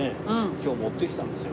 今日持ってきたんですよ。